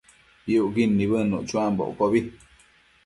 Piucquid nibëdnuc chuambo iccobi